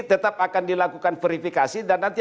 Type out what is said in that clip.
tetap akan dilakukan verifikasi dan nanti